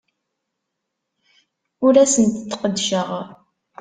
Ur asent-d-qeddceɣ.